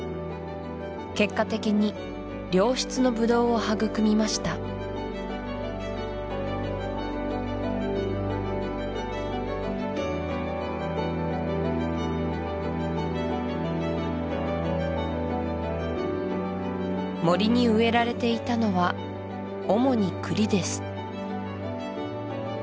結果的に良質のブドウを育みました森に植えられていたのは主に栗です